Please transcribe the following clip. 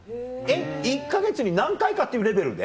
１か月に何回かっていうレベルで？